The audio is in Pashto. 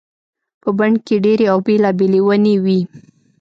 په بڼ کې ډېرې او بېلابېلې ونې وي.